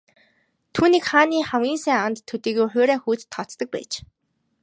Түүнийг хааны хамгийн сайн анд төдийгүй хуурай хүүд тооцдог байж.